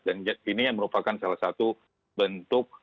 dan ini merupakan salah satu bentuk